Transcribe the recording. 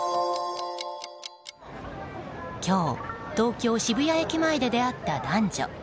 今日、東京・渋谷駅前で出会った男女。